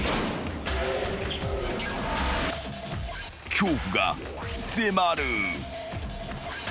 ［恐怖が迫る］